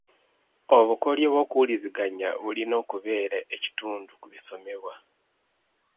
Obukodyo bw'okuwuliziganya bulina okubeera ekitundu ku bisomebwa.